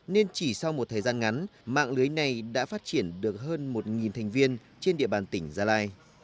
nên chỉ sau một thời gian ngắn mạng lưới này đã phát triển được hơn một thành viên trên địa bàn tỉnh gia lai